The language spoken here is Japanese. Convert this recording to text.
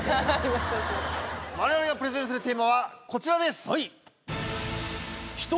我々がプレゼンするテーマはこちらです。